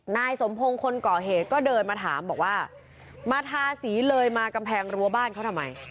นายสมพงศ์คนก่อเหตุก็เดินมาถามบอกว่ามาทาสีเลยมากำแพงรั้วบ้านเขาทำไม